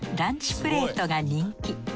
プレートが人気。